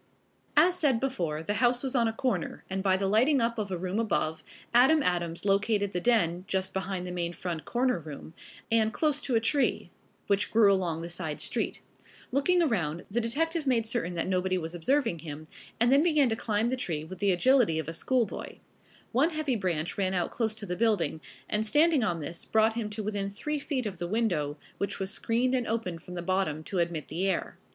As said before, the house was on a corner, and by the lighting up of a room above, Adam Adams located the den, just behind the main front corner room, and close to a tree, which grew along the side street. Looking around, the detective made certain that nobody was observing him, and then began to climb the tree with the agility of a schoolboy. One heavy branch ran out close to the building, and standing on this brought him to within three feet of the window, which was screened and open from the bottom to admit the air.